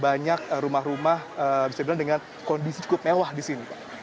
banyak rumah rumah bisa dibilang dengan kondisi cukup mewah di sini pak